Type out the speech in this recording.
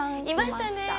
いましたね。